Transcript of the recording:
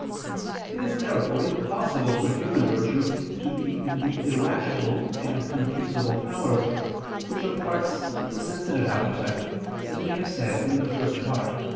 It is therefore impossible for human virtue to be in the irascible and concupiscible powers which are parts of the sensitive appetite, as we have said in the First Part (Q.